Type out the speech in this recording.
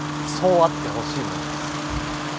そうあってほしいものです。